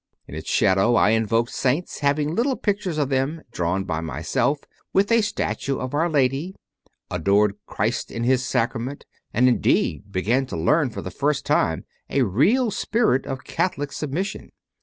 In its shadow I invoked saints, having little pictures of them, drawn by myself, with a statue of Our Lady; adored Christ in His Sacrament, and, indeed, began to learn for the first time a real spirit of Catholic submission.